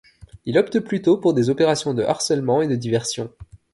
Il opte plutôt pour des opérations de harcèlement et de diversion.